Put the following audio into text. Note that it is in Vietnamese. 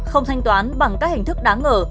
không thanh toán bằng các hình thức đáng ngờ